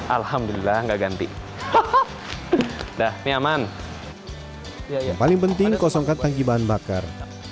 alhamdulillah enggak ganti udah nyaman yang paling penting kosongkan tangki bahan bakar